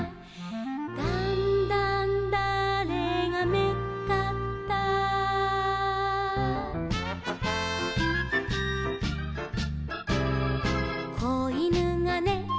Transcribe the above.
「だんだんだあれがめっかった」「子いぬがね